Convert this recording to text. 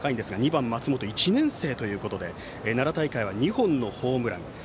２番、松本は１年生ということで奈良大会は２本のホームラン。